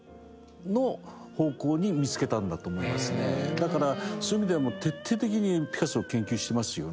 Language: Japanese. だからそういう意味では徹底的にピカソを研究してますよね。